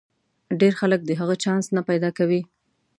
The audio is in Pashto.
ډېر خلک د هغه چانس نه پیدا کوي.